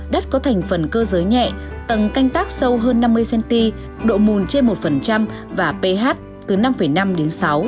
đất có thành phần cơ giới nhẹ tầng canh tác sâu hơn năm mươi cm độ mùn trên một và ph từ năm năm đến sáu